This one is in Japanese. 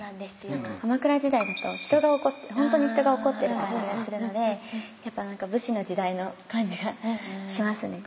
何か鎌倉時代だとほんとに人が怒ってる感じがするのでやっぱ武士の時代の感じがしますね。